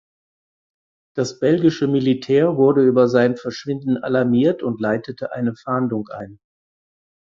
Das belgische Militär wurde über sein Verschwinden alarmiert und leitete eine Fahndung ein.